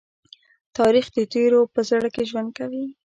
تاریخ د تېرو په زړه کې ژوند کوي.